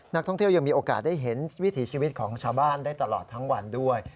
นักท่องเที่ยวยังมีโอกาสได้เห็นวิถีชีวิตของชาวบ้านได้ตลอดทั้งวันด้วย